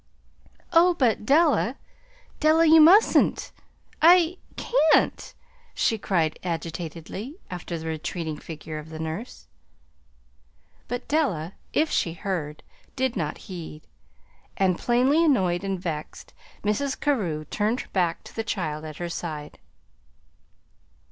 "Oh, but Della, Della, you mustn't I can't " she called agitatedly, after the retreating figure of the nurse. But Della, if she heard, did not heed; and, plainly annoyed and vexed, Mrs. Carew turned back to the child at her side.